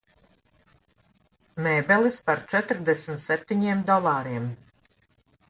Mēbeles par četrdesmit septiņiem dolāriem.